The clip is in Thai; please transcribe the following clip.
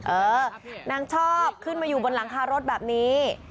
เออนางชอบขึ้นมาอยู่บนหลังคารถแบบนี้